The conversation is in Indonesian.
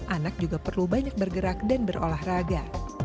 anak juga perlu banyak bergerak dan berolahraga